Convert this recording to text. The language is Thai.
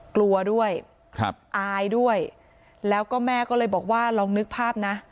กลัวด้วยครับอายด้วยแล้วก็แม่ก็เลยบอกว่าลองนึกภาพนะ